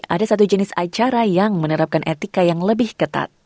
ada satu jenis acara yang menerapkan etika yang lebih ketat